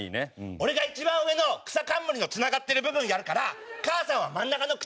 俺が一番上の草かんむりのつながってる部分やるから母さんは真ん中の「口」